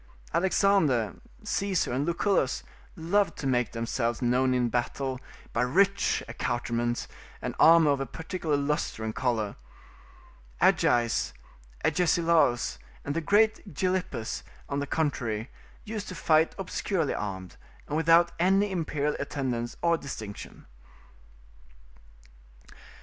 Alexander, Caesar, and Lucullus loved to make themselves known in a battle by rich accoutrements and armour of a particular lustre and colour: Agis, Agesilaus, and that great Gilippus, on the contrary, used to fight obscurely armed, and without any imperial attendance or distinction.